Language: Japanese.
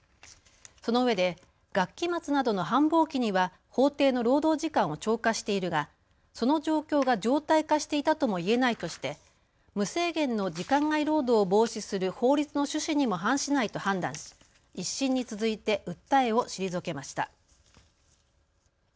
そのうえで学期末などの繁忙期には法定の労働時間を超過しているがその状況が常態化していたともいえないとして無制限の時間外労働を防止する法律の趣旨にも反しないと判断し１審に続いて訴えを退けました。